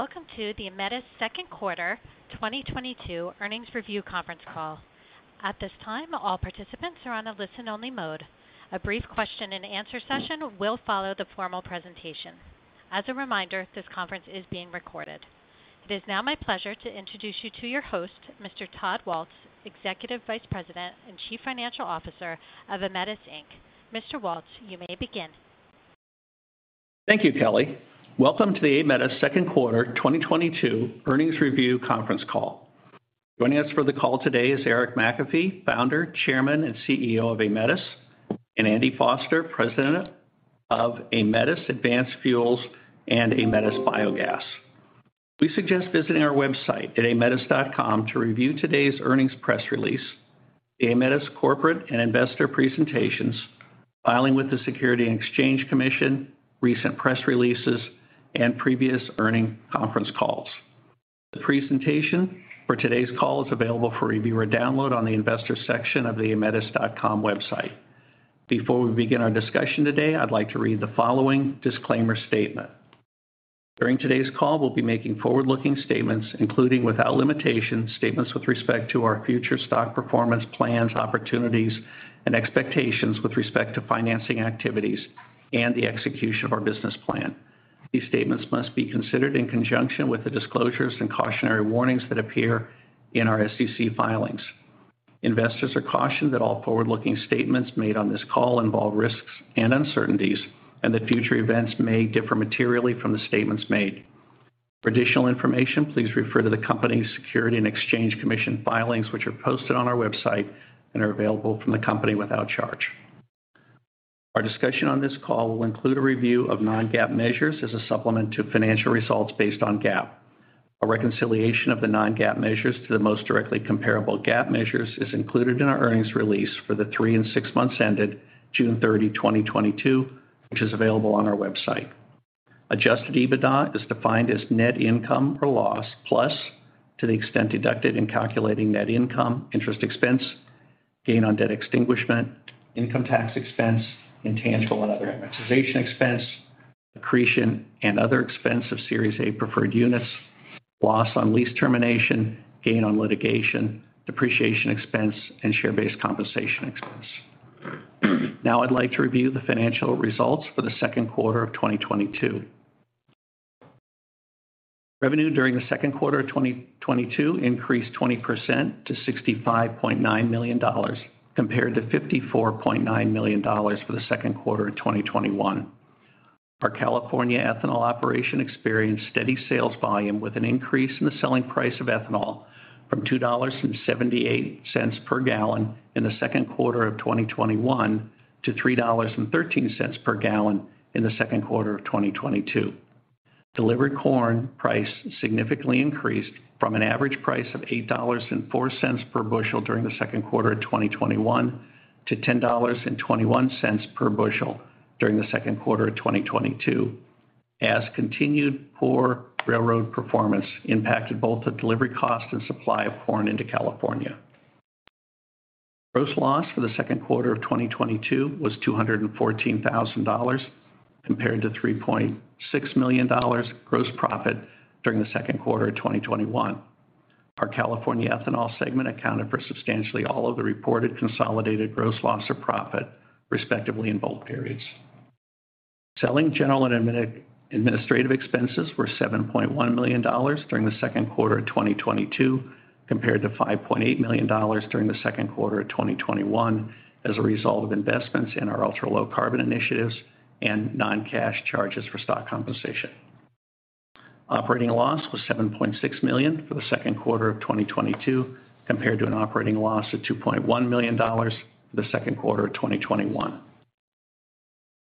Welcome to the Aemetis second quarter 2022 earnings review conference call. At this time, all participants are on a listen-only mode. A brief question-and-answer session will follow the formal presentation. As a reminder, this conference is being recorded. It is now my pleasure to introduce you to your host, Mr. Todd Waltz, Executive Vice President and Chief Financial Officer of Aemetis, Inc. Mr. Waltz, you may begin. Thank you, Kelly. Welcome to the Aemetis second quarter 2022 earnings review conference call. Joining us for the call today is Eric McAfee, Founder, Chairman, and CEO of Aemetis, and Andy Foster, President of Aemetis Advanced Fuels and Aemetis Biogas. We suggest visiting our website at aemetis.com to review today's earnings press release, Aemetis' corporate and investor presentations, filing with the Securities and Exchange Commission, recent press releases, and previous earnings conference calls. The presentation for today's call is available for review or download on the Investors section of the aemetis.com website. Before we begin our discussion today, I'd like to read the following disclaimer statement. During today's call, we'll be making forward-looking statements, including without limitation statements with respect to our future stock performance, plans, opportunities, and expectations with respect to financing activities and the execution of our business plan. These statements must be considered in conjunction with the disclosures and cautionary warnings that appear in our SEC filings. Investors are cautioned that all forward-looking statements made on this call involve risks and uncertainties, and that future events may differ materially from the statements made. For additional information, please refer to the company's Securities and Exchange Commission filings, which are posted on our website and are available from the company without charge. Our discussion on this call will include a review of non-GAAP measures as a supplement to financial results based on GAAP. A reconciliation of the non-GAAP measures to the most directly comparable GAAP measures is included in our earnings release for the three and six months ended June 30, 2022, which is available on our website. Adjusted EBITDA is defined as net income or loss/plus, to the extent deducted in calculating net income, interest expense, gain on debt extinguishment, income tax expense, intangible and other amortization expense, accretion and other expense of Series A preferred units, loss on lease termination, gain on litigation, depreciation expense, and share-based compensation expense. Now I'd like to review the financial results for the second quarter of 2022. Revenue during the second quarter of 2022 increased 20% to $65.9 million compared to $54.9 million for the second quarter of 2021. Our California Ethanol operation experienced steady sales volume with an increase in the selling price of ethanol from $2.78 per gal in the second quarter of 2021 to $3.13 per gal in the second quarter of 2022. Delivered corn price significantly increased from an average price of $8.04 per bushel during the second quarter of 2021 to $10.21 per bushel during the second quarter of 2022, as continued poor railroad performance impacted both the delivery costs and supply of corn into California. Gross loss for the second quarter of 2022 was $214,000 compared to $3.6 million gross profit during the second quarter of 2021. Our California Ethanol segment accounted for substantially all of the reported consolidated gross loss or profit, respectively, in both periods. Selling, general, and administrative expenses were $7.1 million during the second quarter of 2022, compared to $5.8 million during the second quarter of 2021, as a result of investments in our ultra-low carbon initiatives and non-cash charges for stock compensation. Operating loss was $7.6 million for the second quarter of 2022, compared to an operating loss of $2.1 million for the second quarter of 2021.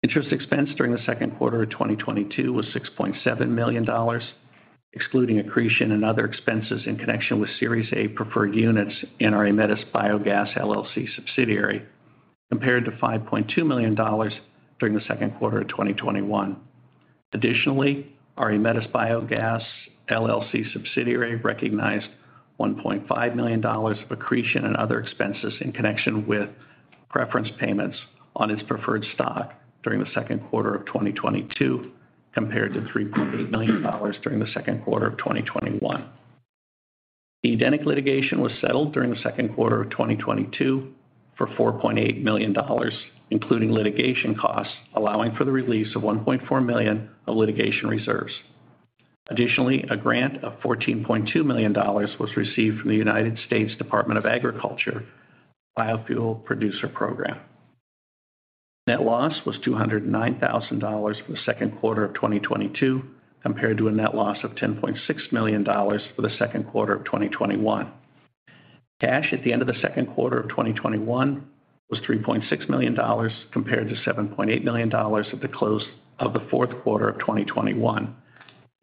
Interest expense during the second quarter of 2022 was $6.7 million, excluding accretion and other expenses in connection with Series A preferred units in our Aemetis Biogas LLC subsidiary, compared to $5.2 million during the second quarter of 2021. Additionally, our Aemetis Biogas LLC subsidiary recognized $1.5 million of accretion and other expenses in connection with preference payments on its preferred stock during the second quarter of 2022, compared to $3.8 million during the second quarter of 2021. The Edeniq litigation was settled during the second quarter of 2022 for $4.8 million, including litigation costs, allowing for the release of $1.4 million of litigation reserves. Additionally, a grant of $14.2 million was received from the United States Department of Agriculture Biofuel Producer Program. Net loss was $209,000 for the second quarter of 2022, compared to a net loss of $10.6 million for the second quarter of 2021. Cash at the end of the second quarter of 2021 was $3.6 million, compared to $7.8 million at the close of the fourth quarter of 2021.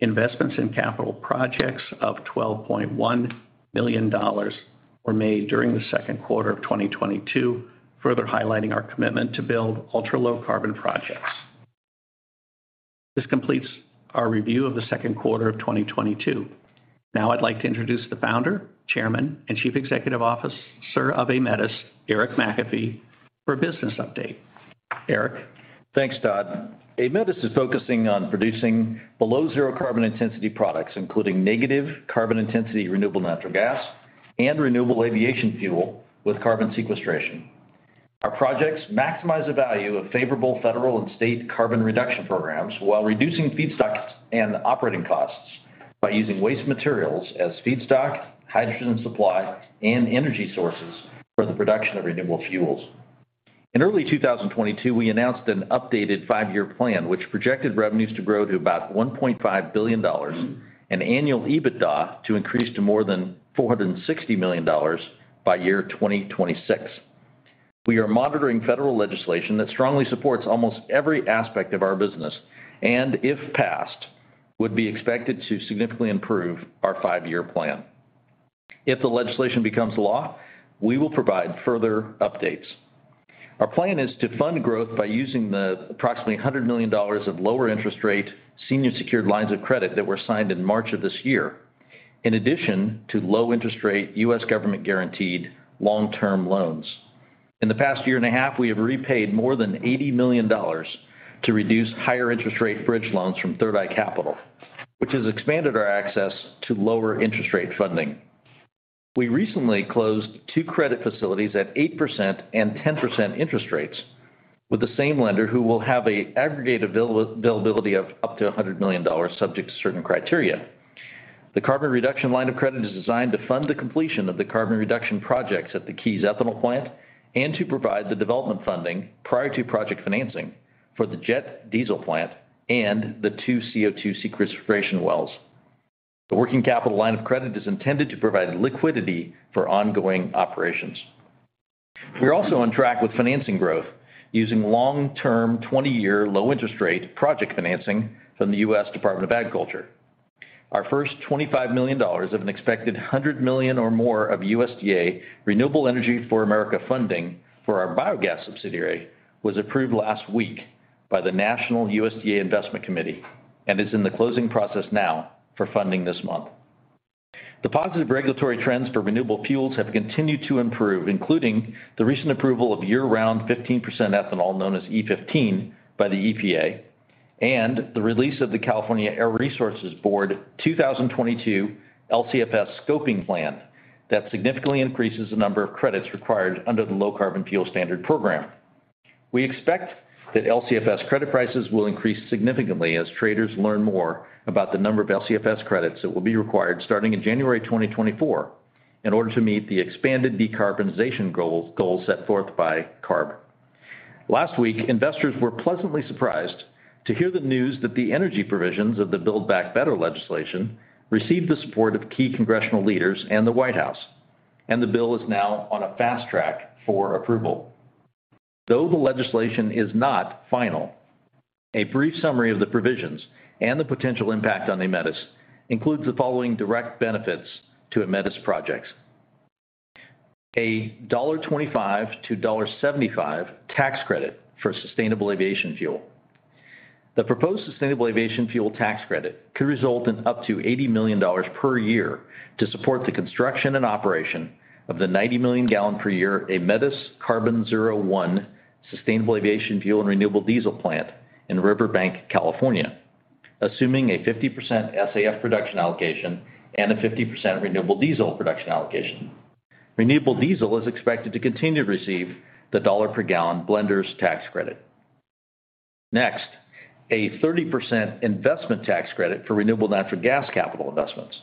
Investments in capital projects of $12.1 million were made during the second quarter of 2022, further highlighting our commitment to build ultra-low carbon projects. This completes our review of the second quarter of 2022. Now I'd like to introduce the Founder, Chairman, and Chief Executive Officer of Aemetis, Eric McAfee, for a business update. Eric? Thanks, Todd. Aemetis is focusing on producing below-zero-carbon intensity products, including negative-carbon intensity renewable natural gas and renewable aviation fuel with carbon sequestration. Our projects maximize the value of favorable federal and state carbon reduction programs while reducing feedstock and operating costs by using waste materials as feedstock, hydrogen supply, and energy sources for the production of renewable fuels. In early 2022, we announced an updated five-year plan which projected revenues to grow to about $1.5 billion and annual EBITDA to increase to more than $460 million by year 2026. We are monitoring federal legislation that strongly supports almost every aspect of our business and, if passed, would be expected to significantly improve our five-year plan. If the legislation becomes law, we will provide further updates. Our plan is to fund growth by using the approximately $100 million of lower-interest-rate senior secured lines of credit that were signed in March of this year, in addition to low-interest-rate U.S. government guaranteed long-term loans. In the past year and a half, we have repaid more than $80 million to reduce higher-interest-rate bridge loans from Third Eye Capital, which has expanded our access to lower-interest-rate funding. We recently closed two credit facilities at 8% and 10% interest rates with the same lender, who will have an aggregate availability of up to $100 million subject to certain criteria. The carbon reduction line of credit is designed to fund the completion of the carbon reduction projects at the Keyes ethanol plant and to provide the development funding prior to project financing for the jet diesel plant and the two CO2 sequestration wells. The working capital line of credit is intended to provide liquidity for ongoing operations. We are also on track with financing growth using long-term 20-year low-interest-rate project financing from the U.S. Department of Agriculture. Our first $25 million of an expected $100 million or more of USDA Rural Energy for America funding for our biogas subsidiary was approved last week by the national USDA investment committee and is in the closing process now for funding this month. The positive regulatory trends for renewable fuels have continued to improve, including the recent approval of year-round 15% ethanol, known as E15, by the EPA, and the release of the California Air Resources Board 2022 LCFS Scoping Plan that significantly increases the number of credits required under the Low Carbon Fuel Standard program. We expect that LCFS credit prices will increase significantly as traders learn more about the number of LCFS credits that will be required, starting in January 2024, in order to meet the expanded decarbonization goal set forth by CARB. Last week, investors were pleasantly surprised to hear the news that the energy provisions of the Build Back Better legislation received the support of key congressional leaders and the White House, and the bill is now on a fast track for approval. Though the legislation is not final, a brief summary of the provisions and the potential impact on Aemetis includes the following direct benefits to Aemetis' projects. A $1.25-$1.75 tax credit for sustainable aviation fuel. The proposed sustainable aviation fuel tax credit could result in up to $80 million per year to support the construction and operation of the 90 million gal per year Aemetis Carbon Zero 1 sustainable aviation fuel and renewable diesel plant in Riverbank, California, assuming a 50% SAF production allocation and a 50% renewable diesel production allocation. Renewable diesel is expected to continue to receive the $1 per gal blenders' tax credit. Next, a 30% investment tax credit for renewable natural gas capital investments.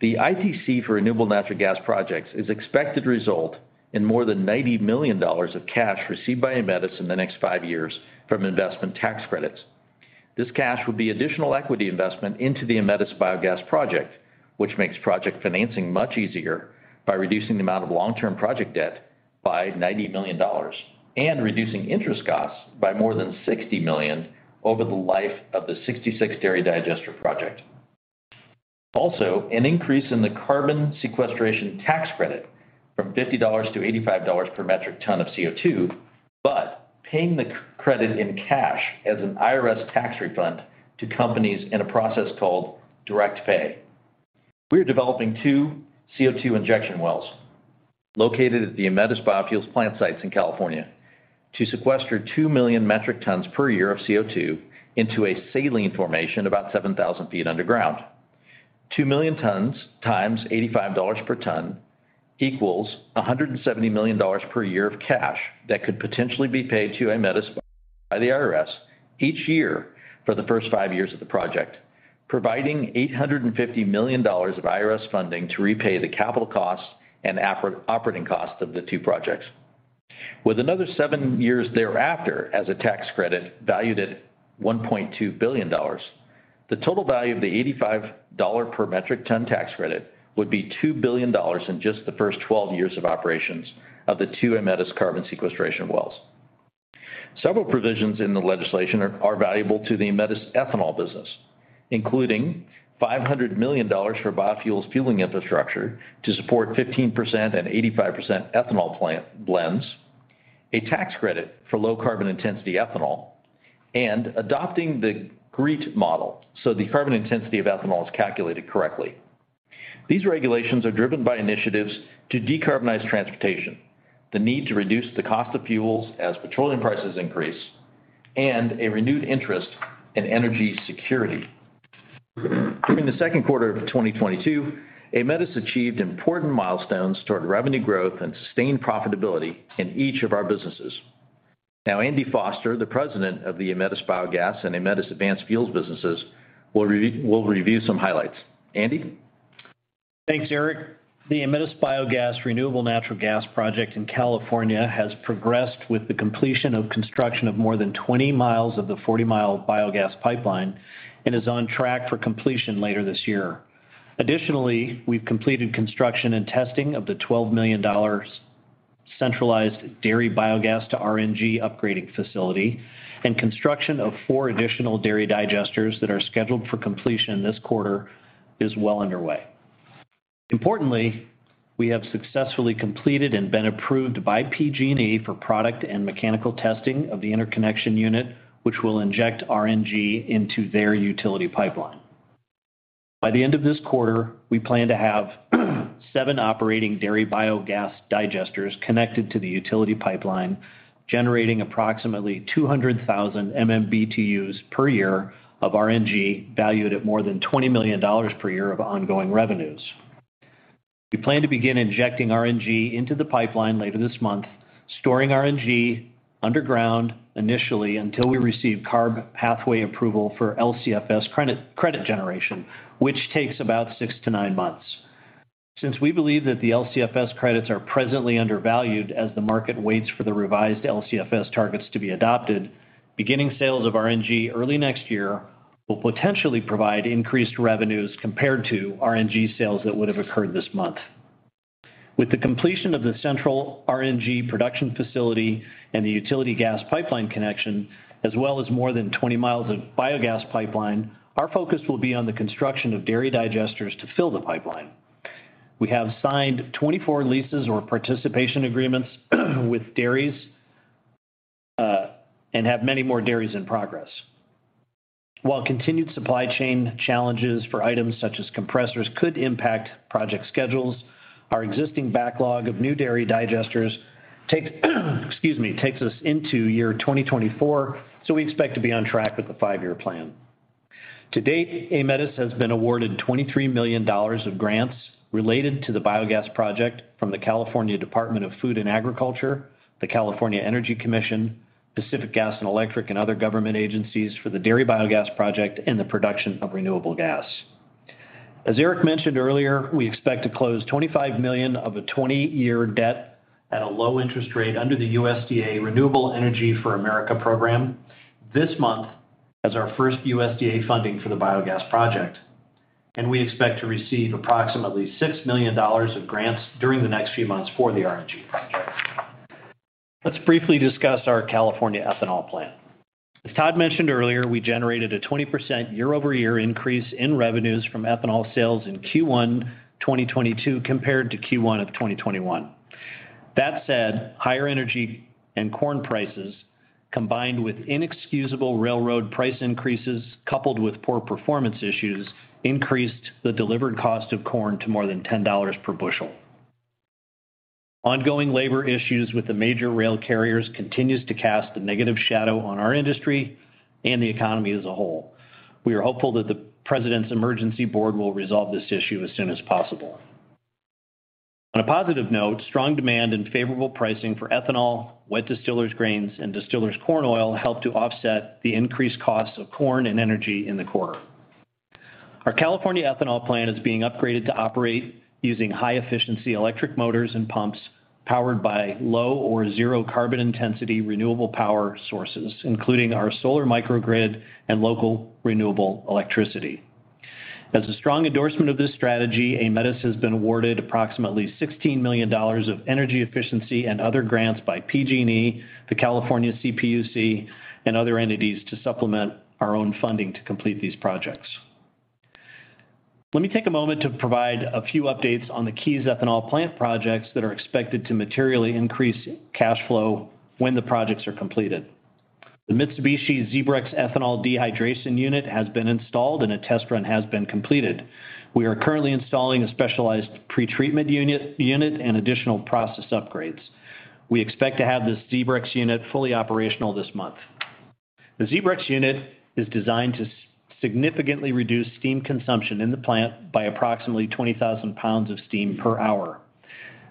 The ITC for renewable natural gas projects is expected to result in more than $90 million of cash received by Aemetis in the next five years from investment tax credits. This cash would be additional equity investment into the Aemetis Biogas project, which makes project financing much easier by reducing the amount of long-term project debt by $90 million and reducing interest costs by more than $60 million over the life of the 66-dairy digester project. Also, an increase in the carbon sequestration tax credit from $50 to $85 per metric ton of CO2 but paying the credit in cash as an IRS tax refund to companies in a process called Direct Pay. We are developing two CO2 injection wells located at the Aemetis biofuels plant sites in California to sequester 2 million metric tons per year of CO2 into a saline formation about 7,000 feet underground. 2 million tonnes times $85 per tonne equals $170 million per year of cash that could potentially be paid to Aemetis by the IRS each year for the first five years of the project, providing $850 million of IRS funding to repay the capital costs and operating costs of the two projects. With another seven years thereafter as a tax credit valued at $1.2 billion, the total value of the $85 per metric ton tax credit would be $2 billion in just the first 12 years of operations of the two Aemetis carbon sequestration wells. Several provisions in the legislation are valuable to the Aemetis Ethanol business, including $500 million for biofuels fueling infrastructure to support 15% and 85% ethanol blends, a tax credit for low-carbon-intensity ethanol, and adopting the GREET model so the carbon intensity of ethanol is calculated correctly. These regulations are driven by initiatives to decarbonize transportation, the need to reduce the cost of fuels as petroleum prices increase, and a renewed interest in energy security. During the second quarter of 2022, Aemetis achieved important milestones toward revenue growth and sustained profitability in each of our businesses. Now Andy Foster, the President of the Aemetis Biogas and Aemetis Advanced Fuels businesses, will review some highlights. Andy? Thanks, Eric. The Aemetis Biogas renewable natural gas project in California has progressed with the completion of construction of more than 20 mi of the 40 mi biogas pipeline and is on track for completion later this year. Additionally, we've completed construction and testing of the $12 million centralized dairy biogas-to-RNG upgrading facility, and construction of four additional dairy digesters that are scheduled for completion this quarter is well underway. Importantly, we have successfully completed and been approved by PG&E for product and mechanical testing of the interconnection unit which will inject RNG into their utility pipeline. By the end of this quarter, we plan to have seven operating dairy biogas digesters connected to the utility pipeline, generating approximately 200,000 MMBtus per year of RNG valued at more than $20 million per year of ongoing revenues. We plan to begin injecting RNG into the pipeline later this month, storing RNG underground initially until we receive CARB pathway approval for LCFS credit generation, which takes about six-nine months. Since we believe that the LCFS credits are presently undervalued as the market waits for the revised LCFS targets to be adopted, beginning sales of RNG early next year will potentially provide increased revenues compared to RNG sales that would have occurred this month. With the completion of the central RNG production facility and the utility gas pipeline connection, as well as more than 20 mi of biogas pipeline, our focus will be on the construction of dairy digesters to fill the pipeline. We have signed 24 leases or participation agreements with dairies and have many more dairies in progress. While continued supply chain challenges for items such as compressors could impact project schedules, our existing backlog of new dairy digesters takes us into 2024, so we expect to be on track with the five-year plan. To date, Aemetis has been awarded $23 million of grants related to the biogas project from the California Department of Food and Agriculture, the California Energy Commission, Pacific Gas and Electric, and other government agencies for the dairy biogas project and the production of renewable gas. As Eric mentioned earlier, we expect to close $25 million of a 20-year debt at a low interest rate under the USDA Rural Energy for America Program this month as our first USDA funding for the biogas project, and we expect to receive approximately $6 million of grants during the next few months for the RNG project. Let's briefly discuss our California ethanol plan. As Todd mentioned earlier, we generated a 20% year-over-year increase in revenues from ethanol sales in Q1 2022 compared to Q1 of 2021. That said, higher energy and corn prices, combined with inexcusable railroad price increases coupled with poor performance issues, increased the delivered cost of corn to more than $10 per bushel. Ongoing labor issues with the major rail carriers continues to cast a negative shadow on our industry and the economy as a whole. We are hopeful that the President's emergency board will resolve this issue as soon as possible. On a positive note, strong demand and favorable pricing for ethanol, wet distillers grains, and distillers corn oil helped to offset the increased costs of corn and energy in the quarter. Our California ethanol plant is being upgraded to operate using high-efficiency electric motors and pumps powered by low- or zero-carbon intensity renewable power sources, including our solar microgrid and local renewable electricity. As a strong endorsement of this strategy, Aemetis has been awarded approximately $16 million of energy efficiency and other grants by PG&E, the California CPUC, and other entities to supplement our own funding to complete these projects. Let me take a moment to provide a few updates on the Keyes ethanol plant projects that are expected to materially increase cash flow when the projects are completed. The Mitsubishi ZEBREX ethanol dehydration unit has been installed, and a test run has been completed. We are currently installing a specialized pretreatment unit and additional process upgrades. We expect to have this ZEBREX unit fully operational this month. The ZEBREX unit is designed to significantly reduce steam consumption in the plant by approximately 20,000 lbs of steam per hour.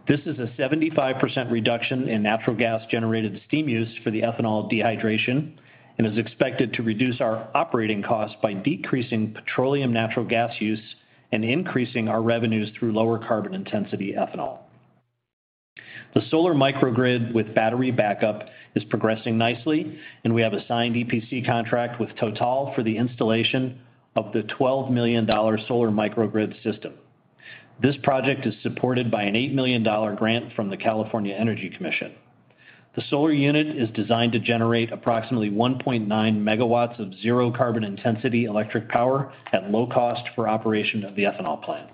This is a 75% reduction in natural gas-generated steam use for the ethanol dehydration and is expected to reduce our operating costs by decreasing petroleum natural gas use and increasing our revenues through lower-carbon-intensity ethanol. The solar microgrid with battery backup is progressing nicely, and we have a signed EPC contract with Total for the installation of the $12 million solar microgrid system. This project is supported by an $8 million grant from the California Energy Commission. The solar unit is designed to generate approximately 1.9 MW of zero-carbon-intensity electric power at low cost for operation of the ethanol plant.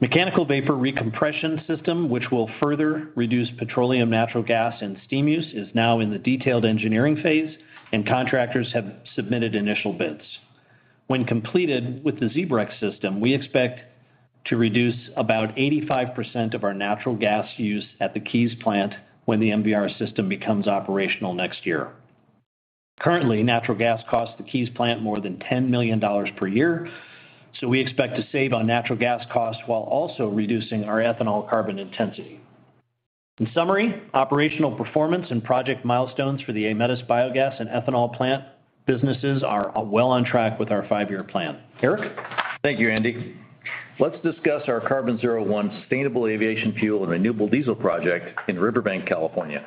Mechanical vapor recompression system, which will further reduce petroleum, natural gas, and steam use, is now in the detailed engineering phase, and contractors have submitted initial bids. When completed with the ZEBREX system, we expect to reduce about 85% of our natural gas use at the Keyes plant when the MVR system becomes operational next year. Currently, natural gas costs the Keyes plant more than $10 million per year, so we expect to save on natural gas costs while also reducing our ethanol carbon intensity. In summary, operational performance and project milestones for the Aemetis Biogas and ethanol plant businesses are well on track with our five-year plan. Eric? Thank you, Andy. Let's discuss our Carbon Zero 1 sustainable aviation fuel and renewable diesel project in Riverbank, California.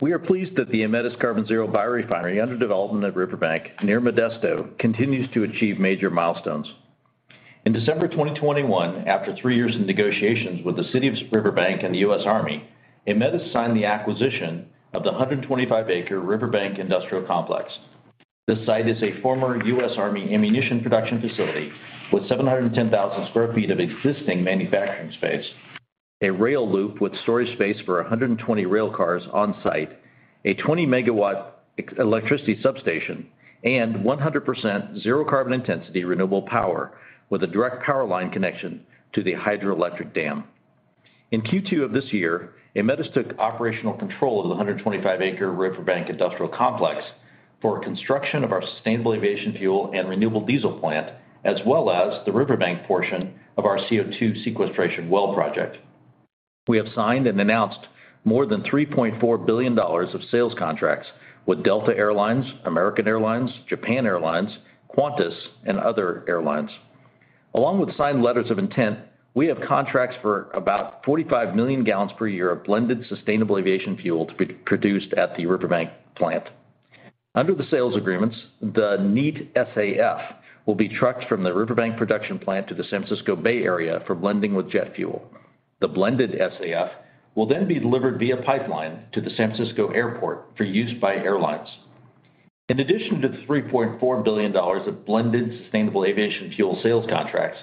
We are pleased that the Aemetis Carbon Zero biorefinery under development at Riverbank near Modesto continues to achieve major milestones. In December 2021, after three years of negotiations with the city of Riverbank and the U.S. Army, Aemetis signed the acquisition of the 125-acre Riverbank Industrial Complex. This site is a former U.S. Army ammunition production facility with 710,000 sq ft of existing manufacturing space, a rail loop with storage space for 120 rail cars on site, a 20 MW electricity substation, and 100% zero-carbon-intensity renewable power with a direct power line connection to the hydroelectric dam. In Q2 of this year, Aemetis took operational control of the 125-acre Riverbank Industrial Complex for construction of our sustainable aviation fuel and renewable diesel plant as well as the Riverbank portion of our CO2 sequestration well project. We have signed and announced more than $3.4 billion of sales contracts with Delta Air Lines, American Airlines, Japan Airlines, Qantas, and other airlines. Along with signed letters of intent, we have contracts for about 45 million gal per year of blended sustainable aviation fuel to be produced at the Riverbank plant. Under the sales agreements, the neat SAF will be trucked from the Riverbank production plant to the San Francisco Bay Area for blending with jet fuel. The blended SAF will then be delivered via pipeline to the San Francisco Airport for use by airlines. In addition to the $3.4 billion of blended sustainable aviation fuel sales contracts,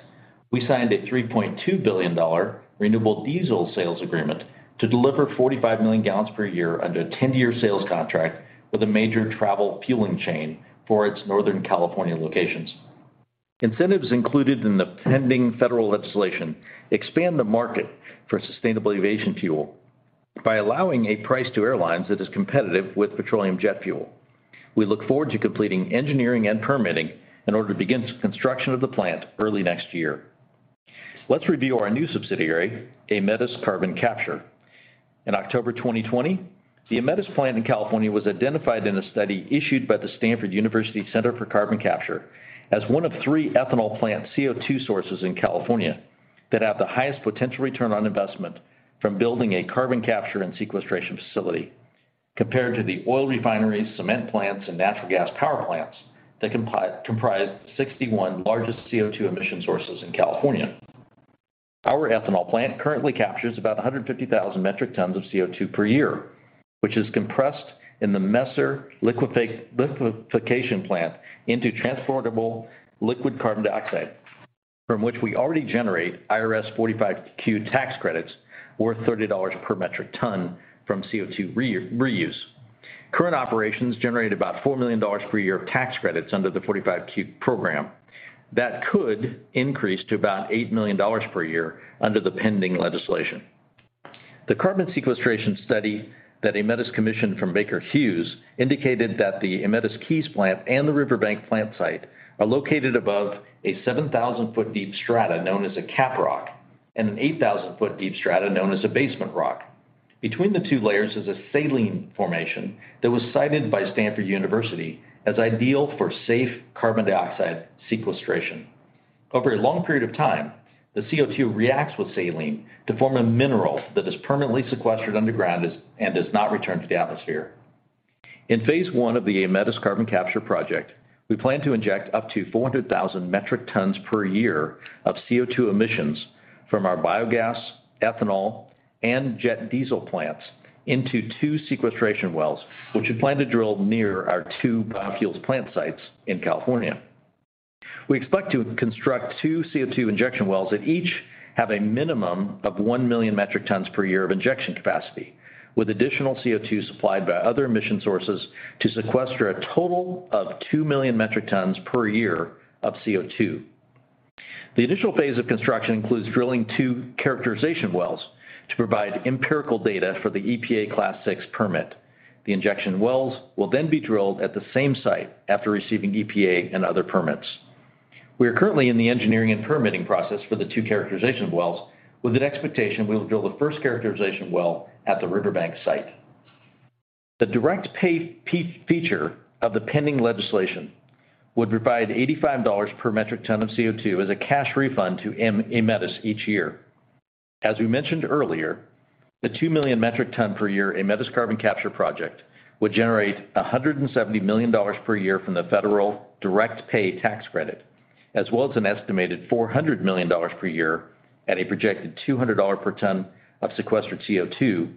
we signed a $3.2 billion renewable diesel sales agreement to deliver 45 million gal per year under a 10-year sales contract with a major travel fueling chain for its Northern California locations. Incentives included in the pending federal legislation expand the market for sustainable aviation fuel by allowing a price to airlines that is competitive with petroleum jet fuel. We look forward to completing engineering and permitting in order to begin construction of the plant early next year. Let's review our new subsidiary, Aemetis Carbon Capture. In October 2020, the Aemetis plant in California was identified in a study issued by the Stanford Center for Carbon Storage as one of three ethanol plant CO2 sources in California that have the highest potential return on investment from building a carbon capture and sequestration facility, compared to the oil refineries, cement plants, and natural gas power plants that comprise 61 largest CO2 emission sources in California. Our ethanol plant currently captures about 150,000 metric tons of CO2 per year, which is compressed in the Messer liquefaction plant into transportable liquid carbon dioxide, from which we already generate IRS 45Q tax credits worth $30 per metric ton from CO2 reuse. Current operations generate about $4 million per year of tax credits under the 45Q program. That could increase to about $8 million per year under the pending legislation. The carbon sequestration study that Aemetis commissioned from Baker Hughes indicated that the Aemetis Keyes plant and the Riverbank plant site are located above a 7,000-foot-deep strata known as a caprock and an 8,000-foot-deep strata known as a basement rock. Between the two layers is a saline formation that was cited by Stanford University as ideal for safe carbon dioxide sequestration. Over a long period of time, the CO2 reacts with saline to form a mineral that is permanently sequestered underground and does not return to the atmosphere. In phase one of the Aemetis Carbon Capture project, we plan to inject up to 400,000 metric tons per year of CO2 emissions from our biogas, ethanol, and jet diesel plants into two sequestration wells, which we plan to drill near our two biofuels plant sites in California. We expect to construct two CO2 injection wells that each have a minimum of 1 million metric tons per year of injection capacity, with additional CO2 supplied by other emission sources to sequester a total of 2 million metric tons per year of CO2. The initial phase of construction includes drilling two characterization wells to provide empirical data for the EPA Class VI permit. The injection wells will then be drilled at the same site after receiving EPA and other permits. We are currently in the engineering and permitting process for the two characterization wells, with an expectation we will drill the first characterization well at the Riverbank site. The Direct Pay provision of the pending legislation would provide $85 per metric ton of CO2 as a cash refund to Aemetis each year. As we mentioned earlier, the 2 million metric ton per year Aemetis Carbon Capture project would generate $170 million per year from the federal Direct Pay tax credit, as well as an estimated $400 million per year at a projected $200 per tonne of sequestered CO2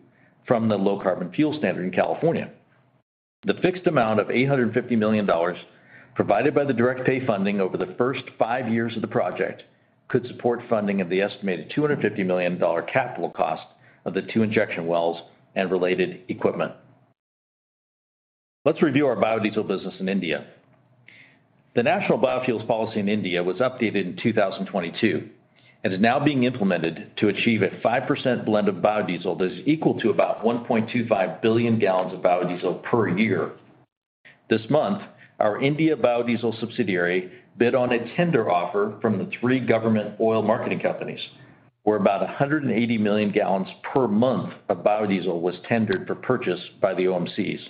from the Low Carbon Fuel Standard in California. The fixed amount of $850 million provided by the Direct Pay funding over the first five years of the project could support funding of the estimated $250 million capital cost of the two injection wells and related equipment. Let's review our biodiesel business in India. The National Policy on Biofuels in India was updated in 2022 and is now being implemented to achieve a 5% blend of biodiesel that is equal to about 1.25 billion gal of biodiesel per year. This month, our India biodiesel subsidiary bid on a tender offer from the three government oil marketing companies, where about 180 million gal per month of biodiesel was tendered for purchase by the OMCs.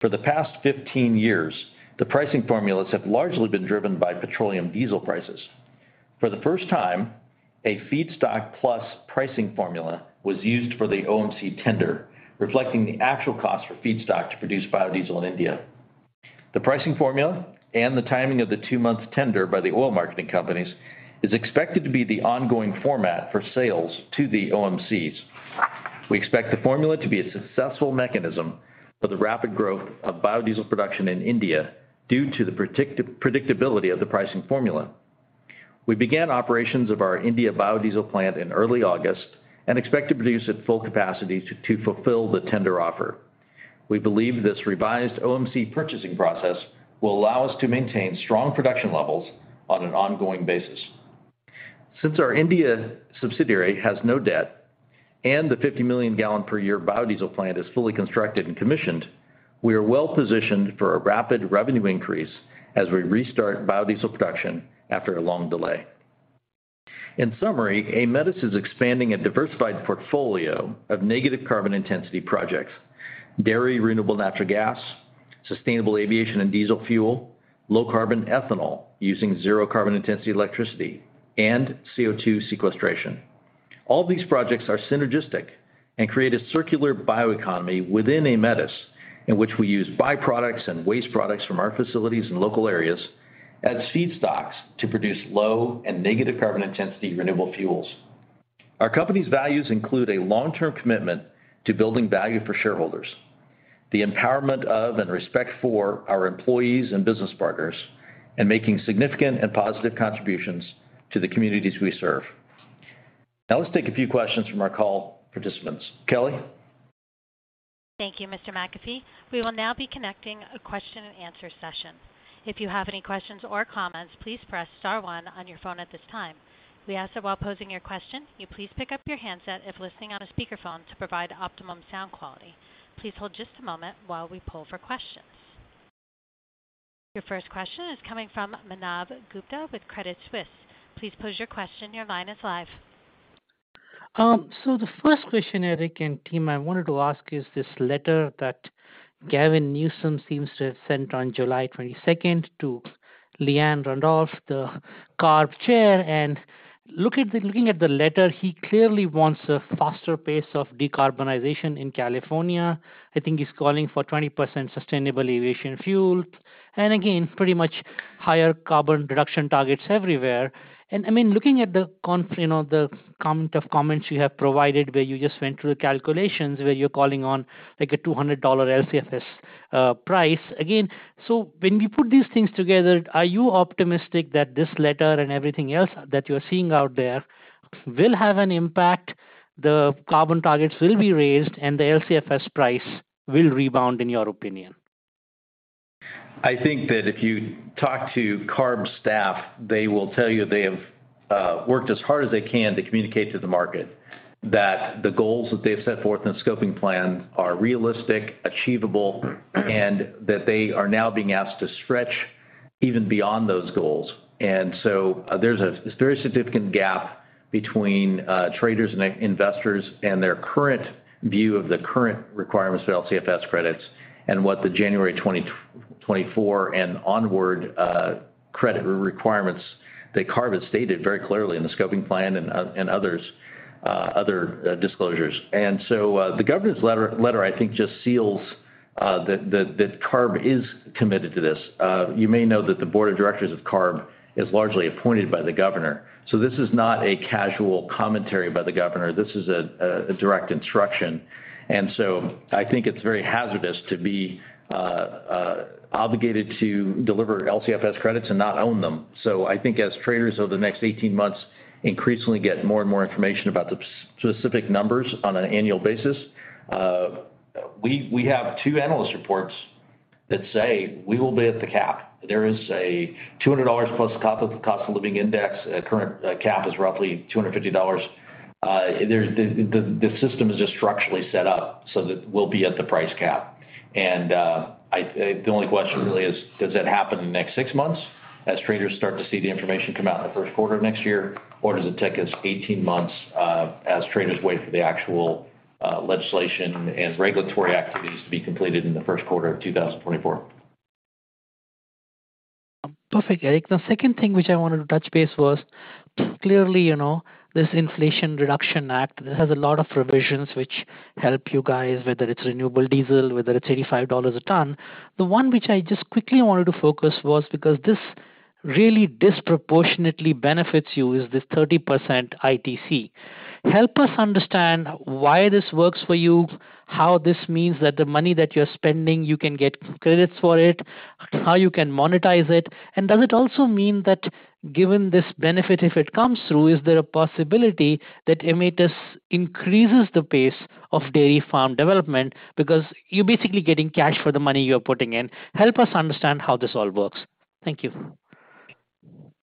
For the past 15 years, the pricing formulas have largely been driven by petroleum diesel prices. For the first time, a feedstock-plus-pricing formula was used for the OMC tender, reflecting the actual cost for feedstock to produce biodiesel in India. The pricing formula and the timing of the two-month tender by the oil marketing companies is expected to be the ongoing format for sales to the OMCs. We expect the formula to be a successful mechanism for the rapid growth of biodiesel production in India due to the predictability of the pricing formula. We began operations of our India biodiesel plant in early August and expect to produce at full capacity to fulfill the tender offer. We believe this revised OMC purchasing process will allow us to maintain strong production levels on an ongoing basis. Since our India subsidiary has no debt and the 50 million gal per year biodiesel plant is fully constructed and commissioned, we are well positioned for a rapid revenue increase as we restart biodiesel production after a long delay. In summary, Aemetis is expanding a diversified portfolio of negative-carbon-intensity projects, dairy renewable natural gas, sustainable aviation and diesel fuel, low-carbon ethanol using zero-carbon-intensity electricity, and CO2 sequestration. All these projects are synergistic and create a circular bioeconomy within Aemetis, in which we use byproducts and waste products from our facilities and local areas as feedstocks to produce low- and negative-carbon-intensity renewable fuels. Our company's values include a long-term commitment to building value for shareholders, the empowerment of and respect for our employees and business partners, and making significant and positive contributions to the communities we serve. Now let's take a few questions from our call participants. Kelly? Thank you, Mr. McAfee. We will now be connecting a question-and-answer session. If you have any questions or comments, please press star one on your phone at this time. We ask that while posing your question, you please pick up your handset if listening on a speakerphone to provide optimum sound quality. Please hold just a moment while we poll for questions. Your first question is coming from Manav Gupta with Credit Suisse. Please pose your question. Your line is live. The first question, Eric and team, I wanted to ask is this letter that Gavin Newsom seems to have sent on July 22nd to Liane Randolph, the CARB Chair, and looking at the letter, he clearly wants a faster pace of decarbonization in California. I think he's calling for 20% sustainable aviation fuel and, again, pretty much higher carbon reduction targets everywhere. I mean looking at, you know, the count of comments you have provided where you just went through the calculations where you're calling on like a $200 LCFS price. Again, when we put these things together, are you optimistic that this letter and everything else that you're seeing out there will have an impact, the carbon targets will be raised, and the LCFS price will rebound, in your opinion? I think that if you talk to CARB staff, they will tell you they have worked as hard as they can to communicate to the market that the goals that they've set forth in the scoping plan are realistic, achievable, and that they are now being asked to stretch even beyond those goals. There's a very significant gap between traders and investors and their current view of the current requirements for LCFS credits and what the January 2024 and onward credit requirements that CARB has stated very clearly in the scoping plan and others, other disclosures. The governor's letter, I think, just seals that CARB is committed to this. You may know that the board of directors of CARB is largely appointed by the governor. This is not a casual commentary by the governor. This is a direct instruction. I think it's very hazardous to be obligated to deliver LCFS credits and not own them. I think as traders over the next 18 months increasingly get more and more information about the specific numbers on an annual basis, we have two analyst reports that say we will be at the cap. There is a $200+ cost of living index. Current cap is roughly $250. The system is just structurally set up so that we'll be at the price cap. The only question really is, does that happen in the next six months as traders start to see the information come out in the first quarter of next year? Does it take us 18 months as traders wait for the actual legislation and regulatory activities to be completed in the first quarter of 2024? Perfect, Eric. The second thing which I wanted to touch base was clearly, you know, this Inflation Reduction Act. It has a lot of provisions which help you guys, whether it's renewable diesel, whether it's $85 a tonne. The one which I just quickly wanted to focus was because this really disproportionately benefits you, is this 30% ITC. Help us understand why this works for you, how this means that the money that you're spending, you can get credits for it, how you can monetize it. And does it also mean that given this benefit, if it comes through, is there a possibility that Aemetis increases the pace of dairy farm development because you're basically getting cash for the money you're putting in? Help us understand how this all works. Thank you.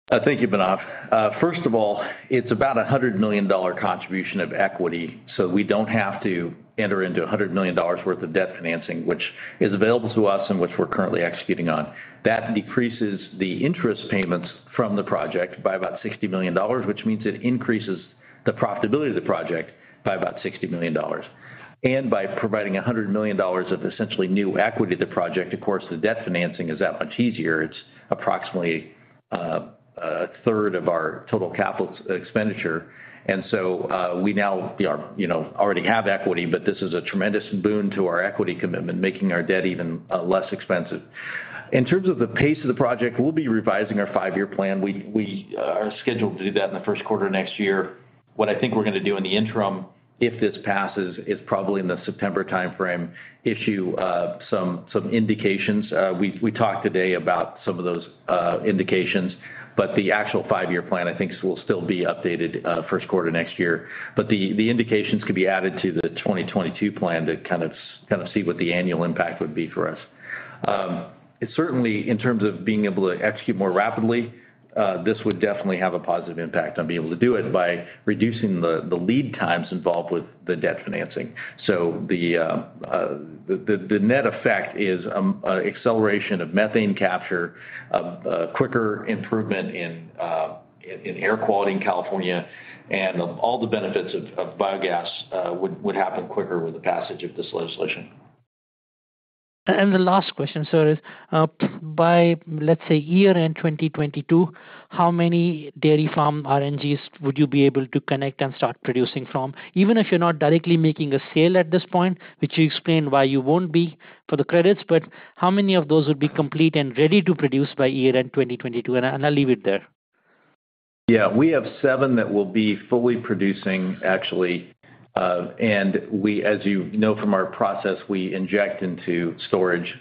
Thank you, Manav. First of all, it's about $100 million contribution of equity. We don't have to enter into a $100 million worth of debt financing, which is available to us and which we're currently executing on. That decreases the interest payments from the project by about $60 million, which means it increases the profitability of the project by about $60 million. By providing $100 million of essentially new equity to the project, of course, the debt financing is that much easier. It's approximately 1/3 of our total capital expenditure. We now already have equity, but this is a tremendous boon to our equity commitment, making our debt even less expensive. In terms of the pace of the project, we'll be revising our five-year plan. We are scheduled to do that in the first quarter next year. What I think we're going to do in the interim, if this passes, is probably, in the September time frame, issue some indications. We talked today about some of those indications, but the actual five-year plan I think will still be updated first quarter next year. The indications could be added to the 2022 plan to kind of see what the annual impact would be for us. It certainly, in terms of being able to execute more rapidly, this would definitely have a positive impact on being able to do it by reducing the lead times involved with the debt financing. The net effect is acceleration of methane capture, quicker improvement in air quality in California, and all the benefits of biogas would happen quicker with the passage of this legislation. The last question, sir, is, by, let's say, year-end 2022, how many dairy farm RNGs would you be able to connect and start producing from? Even if you're not directly making a sale at this point, which you explained why you won't be for the credits, but how many of those would be complete and ready to produce by year-end 2022? I'll leave it there. Yeah. We have seven that will be fully producing actually. As you know from our process, we inject into storage,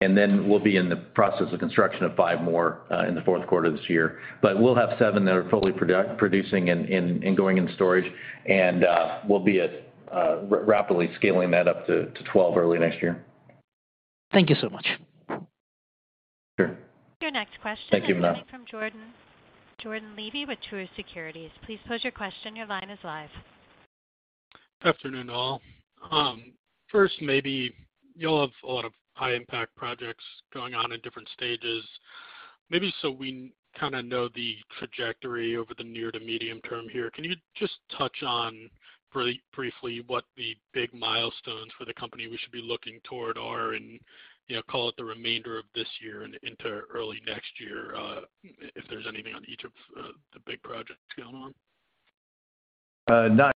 and then we'll be in the process of construction of five more in the fourth quarter of this year. We'll have seven that are fully producing and going in storage. We'll be rapidly scaling that up to 12 early next year. Thank you so much. Sure. Your next question. Thank you, Manav. Is coming from Jordan Levy with Truist Securities. Please pose your question. Your line is live. Good afternoon, all. First, maybe, you all have a lot of high-impact projects going on in different stages. Maybe so we kind of know the trajectory over the near to medium term here, can you just touch on briefly what the big milestones for the company we should be looking toward are in, you know, call it, the remainder of this year and into early next year, if there's anything on each of the big projects going on? Not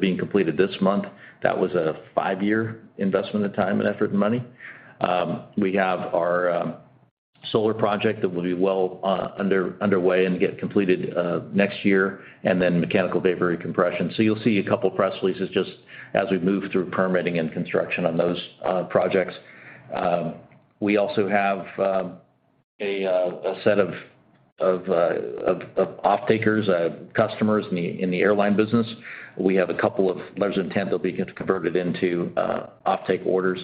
being completed this month. That was a five-year investment of time and effort and money. We have our solar project that will be well underway and get completed next year, and then mechanical vapor recompression, so you'll see a couple of press releases just as we move through permitting and construction on those projects. We also have a set of offtakers, customers in the airline business. We have a couple of letters of intent that will get converted into offtake orders.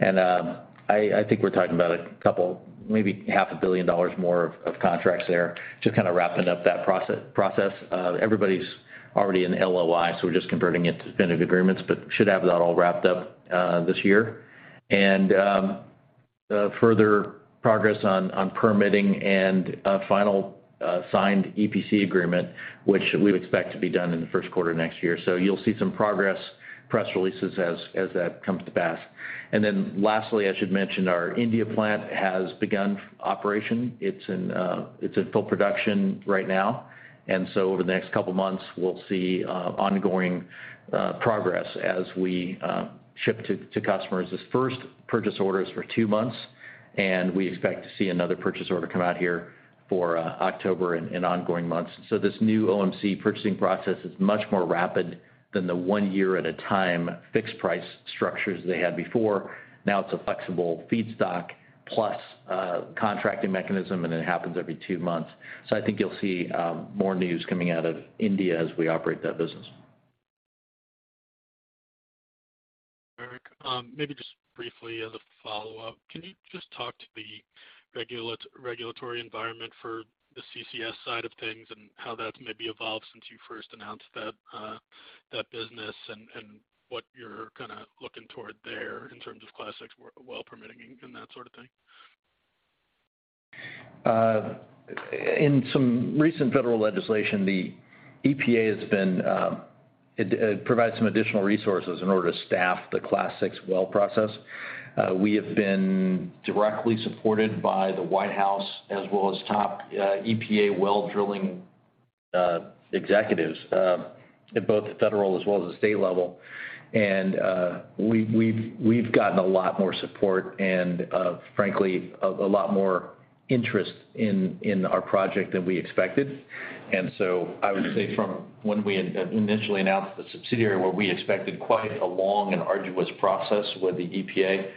And I think we're talking about a couple, maybe $0.5 billion, more of contracts there to kind of wrapping up that process. Everybody has already an LOI, so we're just converting it to definitive agreements but should have that all wrapped up this year. And further progress on permitting and final signed EPC agreement, which we expect to be done in the first quarter next year, so you'll see some progress press releases as that comes to pass. And then lastly, I should mention our India plant has begun operation. It's in full production right now. And so over the next couple of months, we'll see ongoing progress as we ship to customers. The first purchase order is for two months, and we expect to see another purchase order come out here for October and ongoing months. And so this new OMC purchasing process is much more rapid than the one-year-at-a-time fixed-price structures they had before. Now it's a flexible feedstock-plus-contracting mechanism, and it happens every two months. So I think you'll see more news coming out of India as we operate that business. Eric, maybe just briefly as a follow-up, can you just talk to the regulatory environment for the CCS side of things and how that's maybe evolved since you first announced that business and what you're kinda looking toward there in terms of Class VI well permitting and that sort of thing? In some recent federal legislation, the EPA provided some additional resources in order to staff the Class VI well process. We have been directly supported by the White House as well as top EPA well drilling executives at both the federal as well as the state level. We've gotten a lot more support and, frankly, a lot more interest in our project than we expected. I would say from when we had initially announced the subsidiary where we expected quite a long and arduous process with the EPA,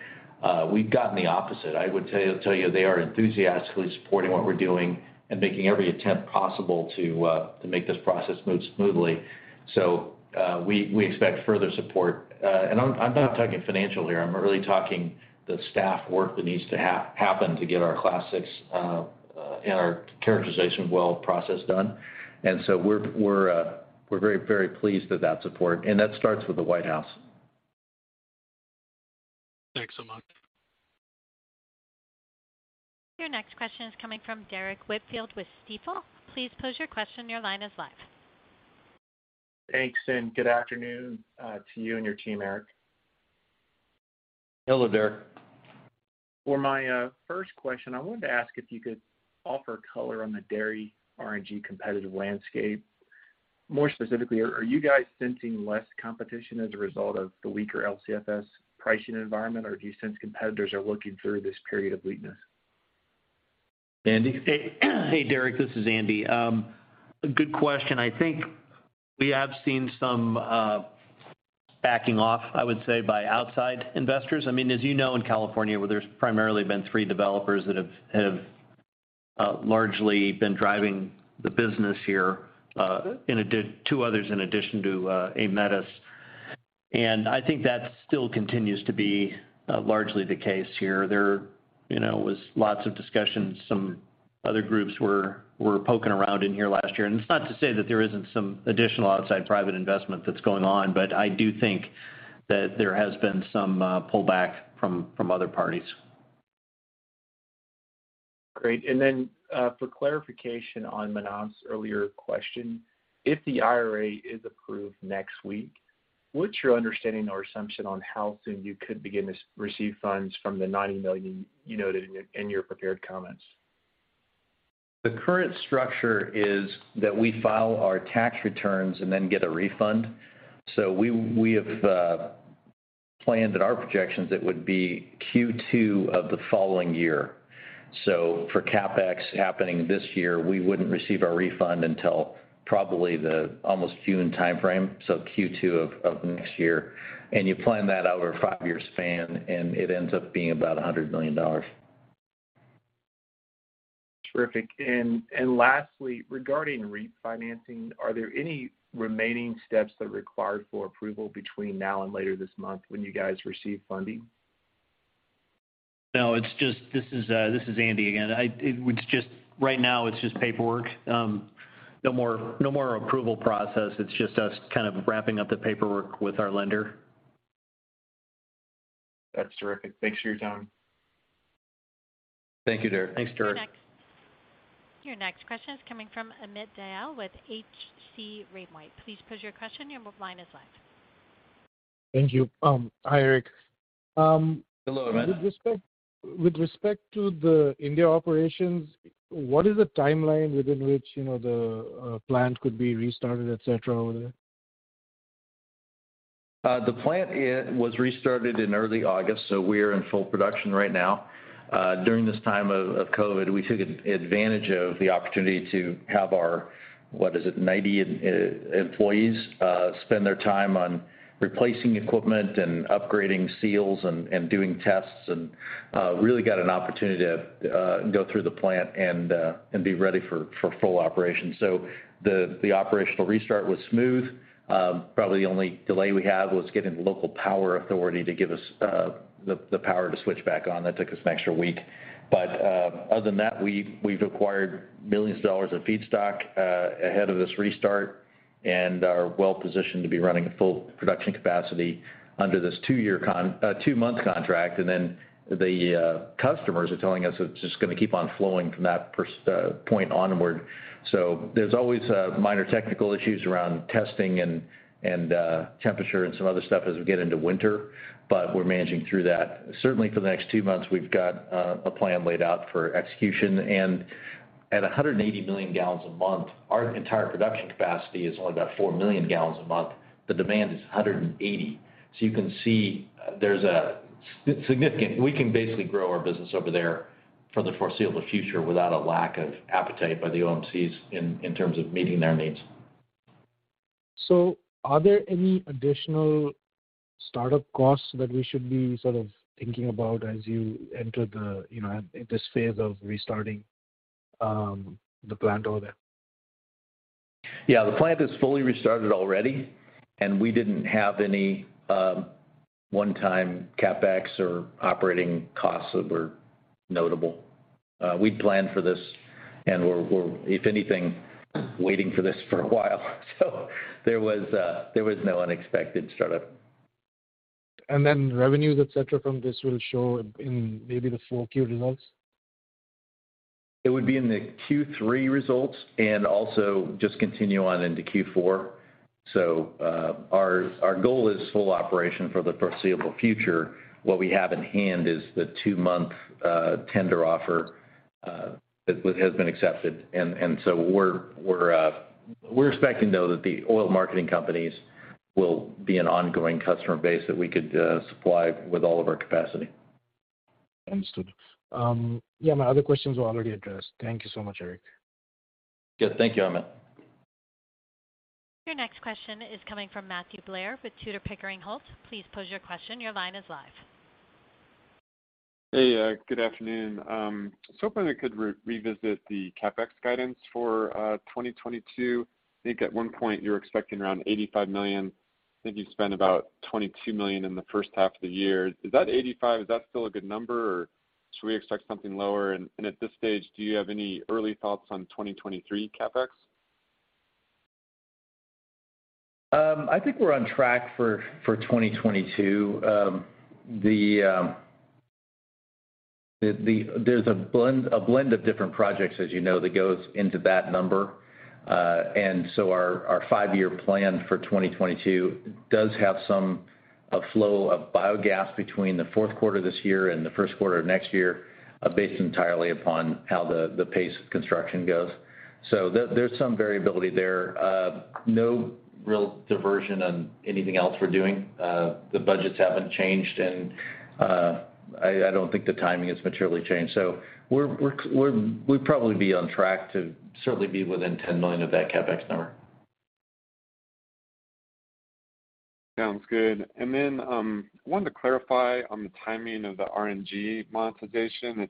we've gotten the opposite. I would tell you they are enthusiastically supporting what we're doing and making every attempt possible to make this process move smoothly. We expect further support. I'm not talking financial here. I'm really talking the staff work that needs to happen to get our Class VI and our characterization well process done. We're very pleased with that support, and that starts with the White House. Thanks so much. Your next question is coming from Derrick Whitfield with Stifel. Please pose your question. Your line is live. Thanks, and good afternoon to you and your team, Eric. Hello, Derrick. For my first question, I wanted to ask if you could offer color on the dairy RNG competitive landscape. More specifically, are you guys sensing less competition as a result of the weaker LCFS pricing environment, or do you sense competitors are looking through this period of weakness? Andy? Hey, Derrick. This is Andy. A good question. I think we have seen some backing off, I would say, by outside investors. I mean, as you know, in California, where there's primarily been three developers that have largely been driving the business here, two others in addition to Aemetis. I think that still continues to be largely the case here. There, you know, was lots of discussions. Some other groups were poking around in here last year. It's not to say that there isn't some additional outside private investment that's going on, but I do think that there has been some pullback from other parties. Great. For clarification on Manav's earlier question, if the IRA is approved next week, what's your understanding or assumption on how soon you could begin to receive funds from the $90 million you noted in your prepared comments? The current structure is that we file our tax returns and then get a refund. We have planned in our projections it would be Q2 of the following year. For CapEx happening this year, we wouldn't receive our refund until probably the almost June time frame, so Q2 of next year. You plan that over a five-year span, and it ends up being about $100 million. Terrific. Lastly, regarding refinancing, are there any remaining steps that are required for approval between now and later this month when you guys receive funding? No, it's just. This is Andy again. Right now it's just paperwork. No more approval process. It's just us kind of wrapping up the paperwork with our lender. That's terrific. Thanks for your time. Thank you, Derrick. Thanks, Derrick. Your next question is coming from Amit Dayal with H.C. Wainwright. Please pose your question. Your line is live. Thank you. Hi, Eric. Hello, Amit. With respect to the India operations, what is the timeline within which, you know, the plant could be restarted, et cetera over there? The plant was restarted in early August, so we're in full production right now. During this time of COVID, we took advantage of the opportunity to have our 90 employees spend their time on replacing equipment and upgrading seals and doing tests and really got an opportunity to go through the plant and be ready for full operation. The operational restart was smooth. Probably the only delay we had was getting the local power authority to give us the power to switch back on. That took us an extra week. Other than that, we've acquired millions of dollars of feedstock ahead of this restart and are well positioned to be running at full production capacity under this two-month contract. The customers are telling us it's just gonna keep on flowing from that point onward. There's always minor technical issues around testing and temperature and some other stuff as we get into winter, but we're managing through that. Certainly for the next two months, we've got a plan laid out for execution. At 180 million gal a month: Our entire production capacity is only about 4 million gal a month. The demand is 180 million gal. You can see we can basically grow our business over there for the foreseeable future without a lack of appetite by the OMCs in terms of meeting their needs. Are there any additional startup costs that we should be sort of thinking about as you enter the, you know, at this phase of restarting the plant over there? Yeah. The plant is fully restarted already, and we didn't have any one-time CapEx or operating costs that were notable. We'd planned for this and we're, if anything, waiting for this for a while. There was no unexpected startup. Revenues, et cetera from this will show in maybe the 4Q results. It would be in the Q3 results and also just continue on into Q4. Our goal is full operation for the foreseeable future. What we have in hand is the two-month tender offer that has been accepted. We're expecting, though, that the oil marketing companies will be an ongoing customer base that we could supply with all of our capacity. Understood. Yeah, my other questions were already addressed. Thank you so much, Eric. Good. Thank you, Amit Dayal. Your next question is coming from Matthew Blair with Tudor, Pickering, Holt & Co. Please pose your question. Your line is live. Hey, good afternoon. I was hoping we could revisit the CapEx guidance for 2022. I think at one point you were expecting around $85 million. I think you spent about $22 million in the first half of the year. Is that $85 million still a good number or should we expect something lower? At this stage, do you have any early thoughts on 2023 CapEx? I think we're on track for 2022. There's a blend of different projects, as you know, that goes into that number. Our five-year plan for 2022 does have a flow of biogas between the fourth quarter this year and the first quarter of next year, based entirely upon how the pace of construction goes. There's some variability there. No real diversion on anything else we're doing. The budgets haven't changed, and I don't think the timing has materially changed. We'd probably be on track to certainly be within $10 million of that CapEx number. Sounds good. I wanted to clarify on the timing of the RNG monetization.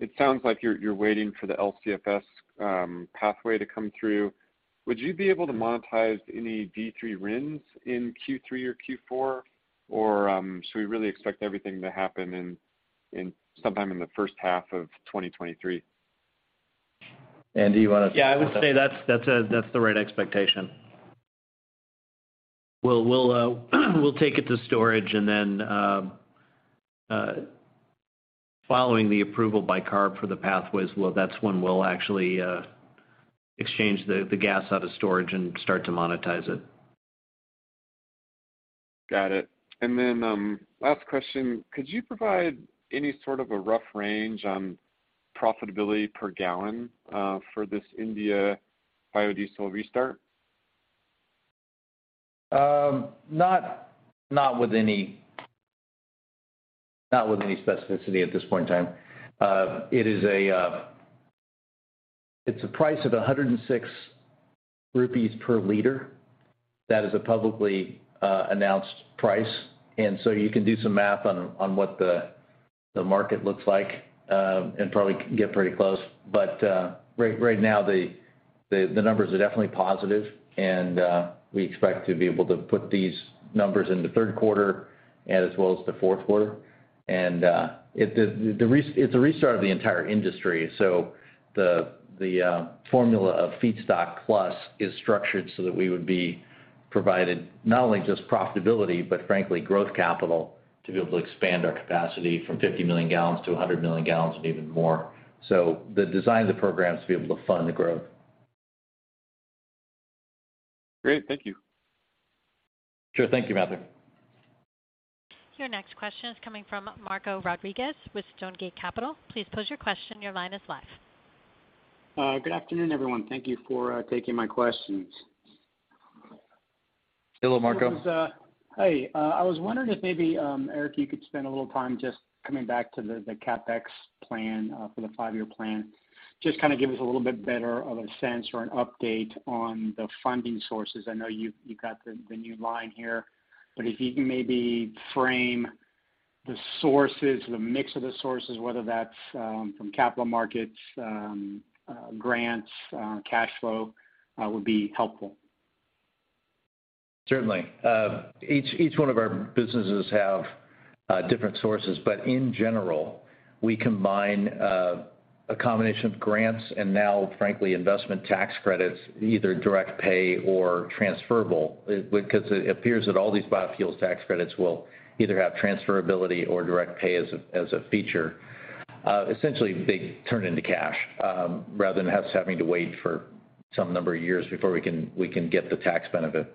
It sounds like you're waiting for the LCFS pathway to come through. Would you be able to monetize any D3 RINs in Q3 or Q4? Should we really expect everything to happen sometime in the first half of 2023? Andy, you wanna? Yeah, I would say that's the right expectation. We'll take it to storage and then, following the approval by CARB for the pathways, that's when we'll actually exchange the gas out of storage and start to monetize it. Got it. Last question. Could you provide any sort of a rough range on profitability per gallon for this India biodiesel restart? Not with any specificity at this point in time. It's a price of 106 rupees per liter. That is a publicly announced price. You can do some math on what the market looks like and probably get pretty close. Right now, the numbers are definitely positive and we expect to be able to put these numbers in the third quarter as well as the fourth quarter. It's a restart of the entire industry. The formula of feedstock plus is structured so that we would be provided not only just profitability but frankly growth capital to be able to expand our capacity from 50 million gal to 100 million gal and even more. The design of the program is to be able to fund the growth. Great. Thank you. Sure. Thank you, Matthew. Your next question is coming from Marco Rodriguez with Stonegate Capital Markets. Please pose your question. Your line is live. Good afternoon, everyone. Thank you for taking my questions. Hello, Marco. I was wondering if maybe, Eric, you could spend a little time just coming back to the CapEx plan for the five-year plan. Just kind of give us a little bit better of a sense or an update on the funding sources. I know you've got the new line here, but if you can maybe frame the sources, the mix of the sources, whether that's from capital markets, grants, cash flow, would be helpful. Certainly. Each one of our businesses have different sources. In general, we combine a combination of grants and now, frankly, investment tax credits, either direct pay or transferable. Because it appears that all these biofuels tax credits will either have transferability or direct pay as a feature. Essentially they turn into cash rather than us having to wait for some number of years before we can get the tax benefit.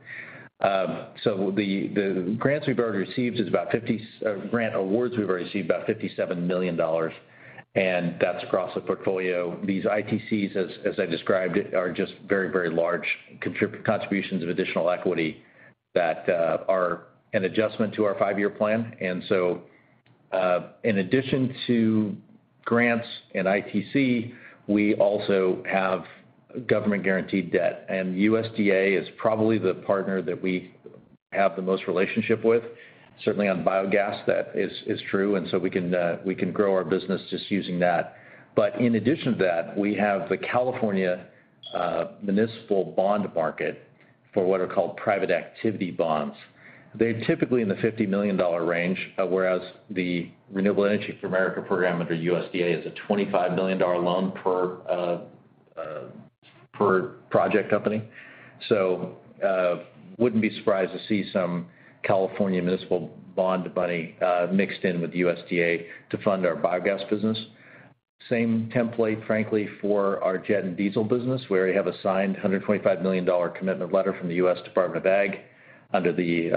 The grants we've already received is about $57 million, and that's across the portfolio. These ITCs, as I described it, are just very, very large contributions of additional equity that are an adjustment to our five-year plan. In addition to grants and ITC, we also have government-guaranteed debt, and USDA is probably the partner that we have the most relationship with. Certainly, on biogas, that is true, and we can grow our business just using that. In addition to that, we have the California municipal bond market for what are called private activity bonds. They're typically in the $50 million range, whereas the Rural Energy for America Program under USDA is a $25 million loan per project company. Wouldn't be surprised to see some California municipal bond money mixed in with USDA to fund our biogas business. Same template, frankly, for our jet and diesel business, where we have a signed $125 million commitment letter from the U.S. Department of Ag under the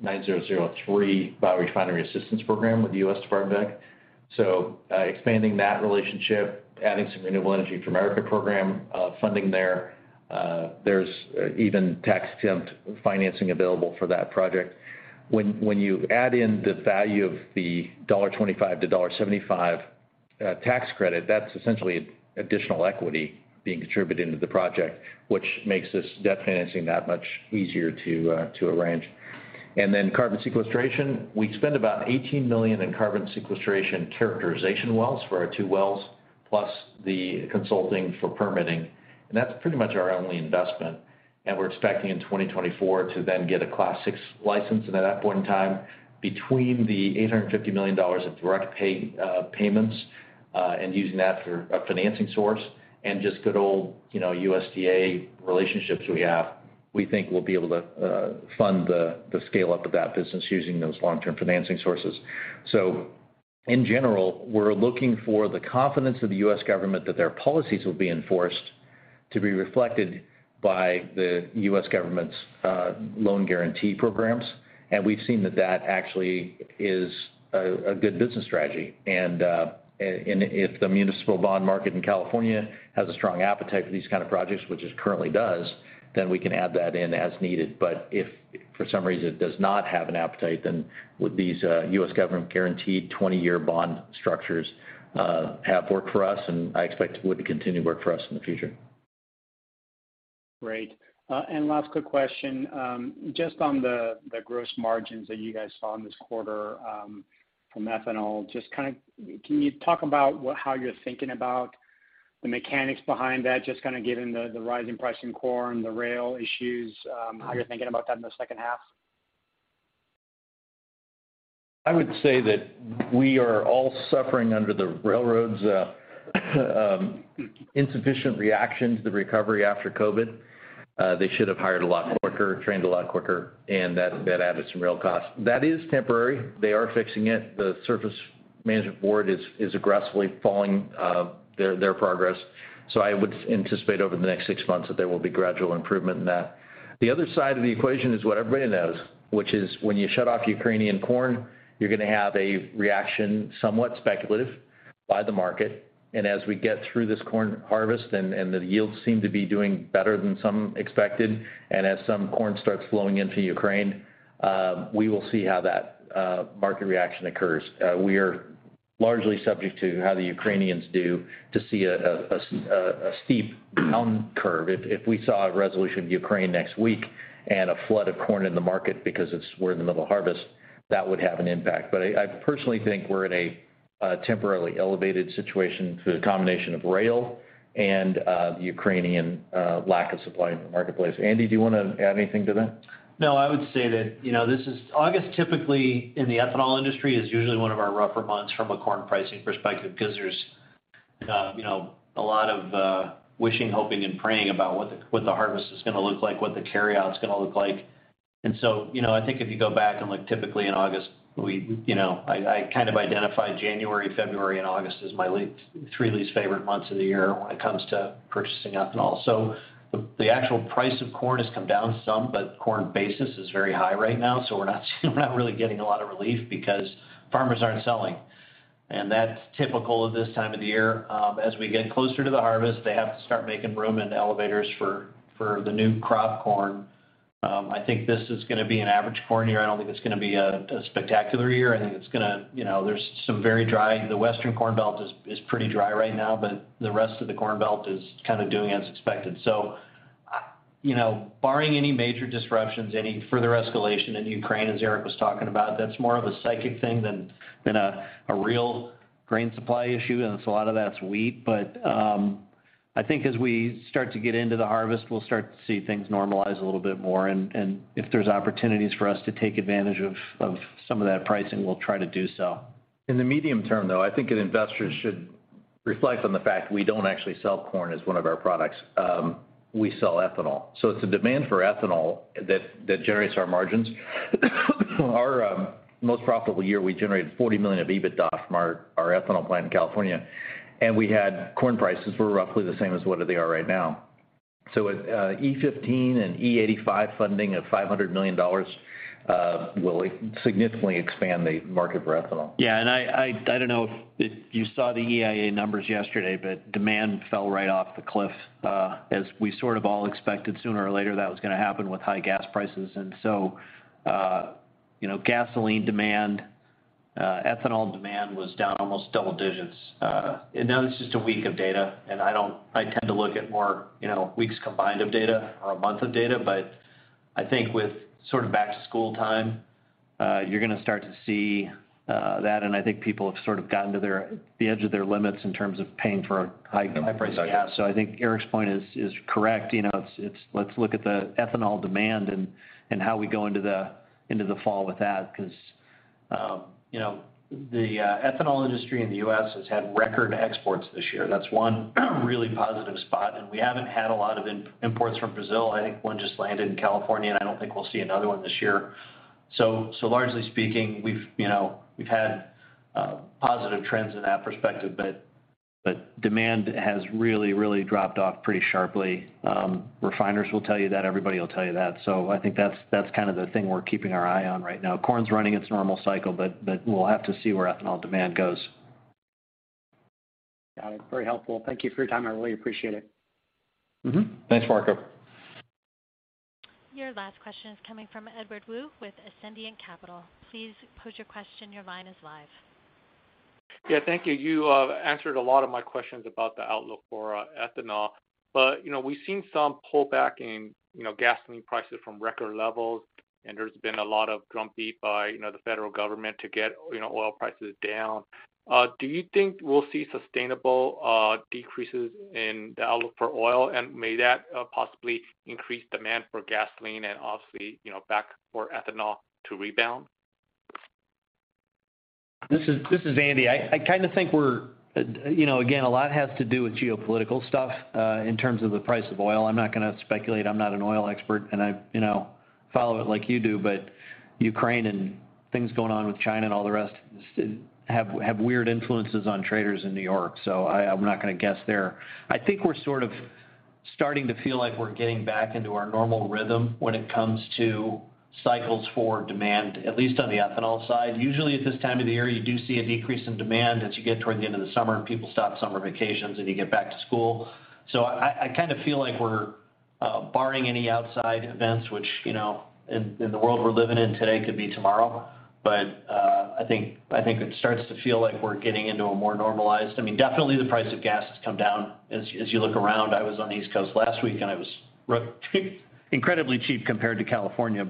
9003 biorefinery assistance program with the U.S. Department of Ag. Expanding that relationship, adding some Rural Energy for America Program funding there. There's even tax-exempt financing available for that project. When you add in the value of the $1.25-$1.75 tax credit, that's essentially additional equity being contributed into the project, which makes this debt financing that much easier to arrange. Carbon sequestration, we spent about $18 million in carbon sequestration characterization wells for our two wells, plus the consulting for permitting, and that's pretty much our only investment. We're expecting in 2024 to then get a Class VI license. At that point in time, between the $850 million of Direct Pay payments and using that for a financing source and just good old, you know, USDA relationships we have, we think we'll be able to fund the scale-up of that business using those long-term financing sources. In general, we're looking for the confidence of the U.S. government that their policies will be enforced to be reflected by the U.S. government's loan guarantee programs, and we've seen that actually is a good business strategy. If the municipal bond market in California has a strong appetite for these kind of projects, which it currently does, then we can add that in as needed. If for some reason it does not have an appetite: Then these U.S. government guaranteed 20-year bond structures have worked for us and, I expect, would continue to work for us in the future. Great. And last quick question, just on the gross margins that you guys saw in this quarter from Ethanol, just kind of can you talk about how you're thinking about the mechanics behind that just kind of given the rising price in corn, the rail issues, how you're thinking about that in the second half? I would say that we are all suffering under the railroads' insufficient reaction to the recovery after COVID. They should have hired a lot quicker, trained a lot quicker, and that added some real cost. That is temporary. They are fixing it. The Surface Transportation Board is aggressively following their progress. I would anticipate over the next six months that there will be gradual improvement in that. The other side of the equation is what everybody knows, which is when you shut off Ukrainian corn, you're gonna have a reaction, somewhat speculative, by the market. As we get through this corn harvest and the yields seem to be doing better than some expected and as some corn starts flowing into Ukraine, we will see how that market reaction occurs. We are largely subject to how the Ukrainians do to see a steep down curve. If we saw a resolution of Ukraine next week and a flood of corn in the market because we're in the middle of harvest, that would have an impact. I personally think we're in a temporarily elevated situation through the combination of rail and the Ukrainian lack of supply in the marketplace. Andy, do you wanna add anything to that? No, I would say that, you know, this is August typically, in the ethanol industry, is usually one of our rougher months from a corn pricing perspective because there's, you know, a lot of wishing, hoping, and praying about what the harvest is gonna look like, what the carryout is gonna look like. You know, I think if you go back and look typically in August. You know, I kind of identify January, February, and August as my three least-favorite months of the year when it comes to purchasing ethanol. The actual price of corn has come down some, but corn basis is very high right now, so we're not really getting a lot of relief because farmers aren't selling. That's typical of this time of the year. As we get closer to the harvest, they have to start making room in elevators for the new crop corn. I think this is gonna be an average corn year. I don't think it's gonna be a spectacular year. The western corn belt is pretty dry right now, but the rest of the corn belt is kind of doing as expected. You know, barring any major disruptions, any further escalation in Ukraine, as Eric was talking about, that's more of a psychic thing than a real grain supply issue, and it's a lot of that's wheat. I think as we start to get into the harvest, we'll start to see things normalize a little bit more. If there's opportunities for us to take advantage of some of that pricing, we'll try to do so. In the medium term, though, I think that investors should reflect on the fact we don't actually sell corn as one of our products. We sell ethanol, so it's a demand for ethanol that generates our margins. Our most profitable year, we generated $40 million of EBITDA from our ethanol plant in California, and we had corn prices were roughly the same as what they are right now. E15 and E85 funding of $500 million will significantly expand the market for ethanol. I don't know if you saw the EIA numbers yesterday, but demand fell right off the cliff, as we sort of all expected sooner or later that was gonna happen with high gas prices. You know, gasoline demand, ethanol demand was down almost double digits. That was just a week of data, and I tend to look at more, you know, weeks combined of data or a month of data. I think, with sort of back-to-school time, you're gonna start to see that, and I think people have sort of gotten to the edge of their limits in terms of paying for high prices of gas. I think Eric's point is correct. You know, it's let's look at the ethanol demand and how we go into the fall with that. Because the ethanol industry in the U.S. has had record exports this year. That's one really positive spot, and we haven't had a lot of imports from Brazil. I think one just landed in California, and I don't think we'll see another one this year. Largely speaking, we've had positive trends in that perspective, but demand has really dropped off pretty sharply. Refiners will tell you that, everybody will tell you that. I think that's kind of the thing we're keeping our eye on right now. Corn's running its normal cycle, but we'll have to see where ethanol demand goes. Got it. Very helpful. Thank you for your time. I really appreciate it. Mm-hmm. Thanks, Marco. Your last question is coming from Edward Woo with Ascendiant Capital Markets. Please pose your question. Your line is live. Yeah, thank you. You answered a lot of my questions about the outlook for ethanol, but you know, we've seen some pullback in you know, gasoline prices from record levels, and there's been a lot of drumbeat by you know, the federal government to get you know, oil prices down. Do you think we'll see sustainable decreases in the outlook for oil? May that possibly increase demand for gasoline and obviously, you know, demand for ethanol to rebound? This is Andy. I kinda think we're you know, again, a lot has to do with geopolitical stuff in terms of the price of oil. I'm not gonna speculate. I'm not an oil expert, and I, you know, follow it like you do. Ukraine and things going on with China and all the rest have weird influences on traders in New York, so I'm not gonna guess there. I think we're sort of starting to feel like we're getting back into our normal rhythm when it comes to cycles for demand, at least on the ethanol side. Usually, at this time of the year, you do see a decrease in demand as you get toward the end of the summer and people stop summer vacations, and you get back to school. I kind of feel like we're, barring any outside events, which, you know, in the world we're living in today, could be tomorrow, I think it starts to feel like we're getting into a more normalized. I mean, definitely the price of gas has come down as you look around. I was on the East Coast last week, and it was incredibly cheap compared to California.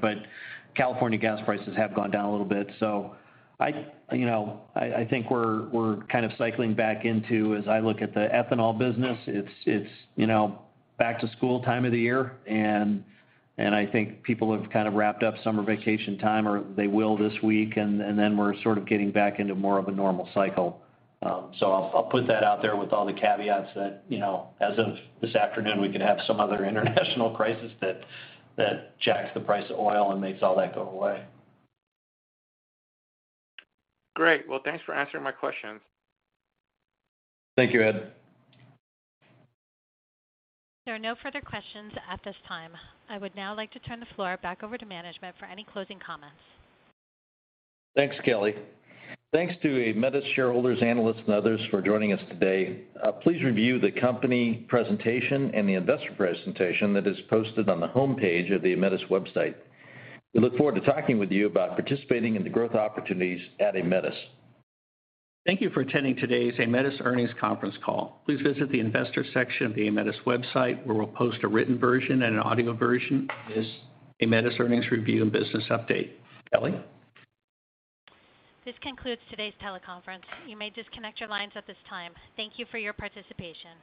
California gas prices have gone down a little bit. I, you know, I think we're kind of cycling back into, as I look at the Ethanol business, it's, you know, back-to-school time of the year, and I think people have kind of wrapped up summer vacation time or they will this week, and then we're sort of getting back into more of a normal cycle. I'll put that out there with all the caveats that, you know, as of this afternoon, we could have some other international crisis that jacks the price of oil and makes all that go away. Great. Well, thanks for answering my questions. Thank you, Ed. There are no further questions at this time. I would now like to turn the floor back over to management for any closing comments. Thanks, Kelly. Thanks to Aemetis shareholders, analysts, and others for joining us today. Please review the company presentation and the investor presentation that is posted on the homepage of the Aemetis website. We look forward to talking with you about participating in the growth opportunities at Aemetis. Thank you for attending today's Aemetis earnings conference call. Please visit the Investors section of the Aemetis website, where we'll post a written version and an audio version Aemetis earnings review and business update. Kelly? This concludes today's teleconference. You may disconnect your lines at this time. Thank you for your participation.